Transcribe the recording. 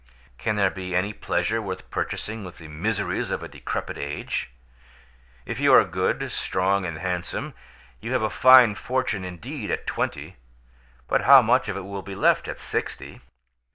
Can there be any pleasure worth purchasing with the miseries of a decrepit age? If you are good, strong, and handsome, you have a fine fortune indeed at twenty, but how much of it will be left at sixty?